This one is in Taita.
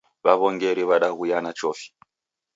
W'aw'ongeri w'adaghuyana chofi.